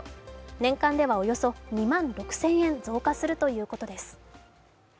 年間ではおよそ２万６０００円増加するということです。